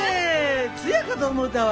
ツヤかと思うたわ。